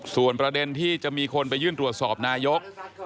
ส่วนประเด็นที่จะมีคนไปยื่นตรวจสอบนายก